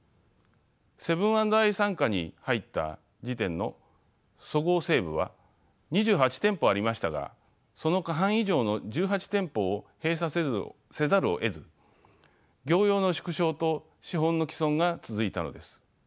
セブン＆アイ傘下に入った時点のそごう・西武は２８店舗ありましたがその過半以上の１８店舗を閉鎖せざるをえず業容の縮小と資本の毀損が続いたのです。